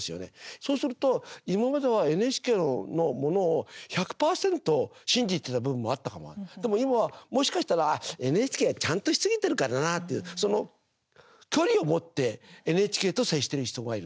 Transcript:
そうすると今まではＮＨＫのものを１００％信じていた部分もあったかもでも今はもしかしたらＮＨＫちゃんとしすぎてるからなっていう、距離を持ってＮＨＫと接している人がいる。